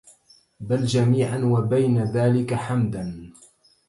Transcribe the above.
بلْ جميعاً وبين ذلك حمداً